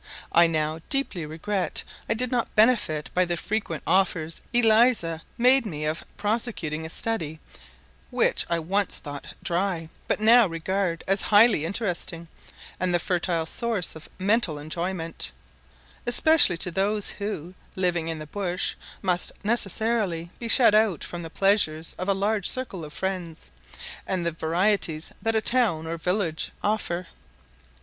I now deeply regret I did not benefit by the frequent offers Eliza made me of prosecuting a study which I once thought dry, but now regard as highly interesting, and the fertile source of mental enjoyment, especially to those who, living in the bush, must necessarily be shut out from the pleasures of a large circle of friends, and the varieties that a town or village offer.